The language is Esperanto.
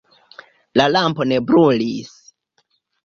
La lampo ne brulis.